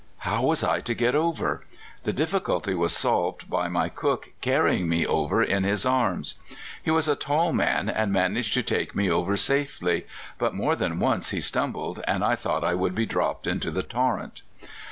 How was I to get over? The difficulty was solved by my cook carrying me over in his arms. He was a tall man, and managed to take me over safely; but more than once he stumbled, and I thought I should be dropped into the torrent.